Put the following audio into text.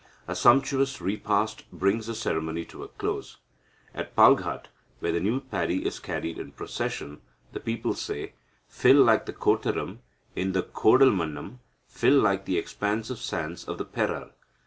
A sumptuous repast brings the ceremony to a close. At Palghat, when the new paddy is carried in procession, the people say 'Fill like the Kottaram in Kozhalmannam; fill like the expansive sands of the Perar.'